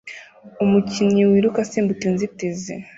Umukinnyi wiruka asimbuka inzitizi